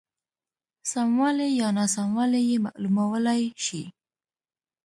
سموالی یا ناسموالی یې معلومولای شي.